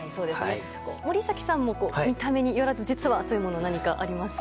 森崎さんにも見た目によらず実はというもの何かありますか？